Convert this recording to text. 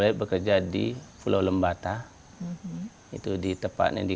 kami berugi untuk industri pandemi